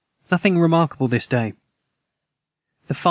Nothing remarkable this day. the 5 7.